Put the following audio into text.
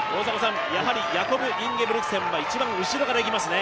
やはりヤコブ・インゲブリクセンは一番後ろからいきますね。